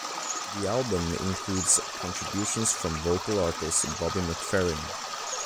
The album includes contributions from vocal artist Bobby McFerrin.